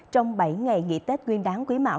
trong bảy ngày nghỉ tết nguyên đáng quý mão